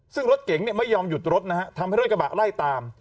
ซึ่งรถเก๋งไม่ยอมหยุดรถนะฮะทำให้รถกระบะไล่ตาม